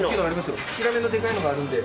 ヒラメのでかいのがあるんで。